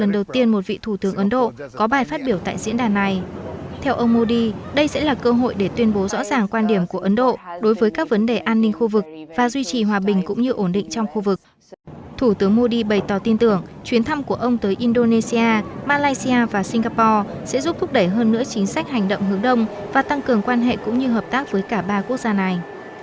đối với các vấn đề an ninh khu vực và duy trì hòa bình cũng như ổn định trong khu vực thủ tướng modi bày tỏ tin tưởng chuyến thăm của ông tới indonesia malaysia và singapore sẽ giúp thúc đẩy hơn nữa chính sách hành động hướng đông và tăng cường quan hệ cũng như hợp tác với cả ba quốc gia này